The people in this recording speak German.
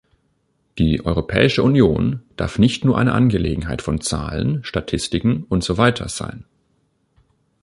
Die Europäische Union darf nicht nur eine Angelegenheit von Zahlen, Statistiken und so weiter sein!